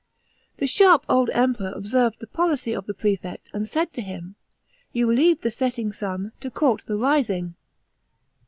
The sh irp old Emperor observed the | olicy of the prefect, and said to him, " You leave the setting sun, to court the rising."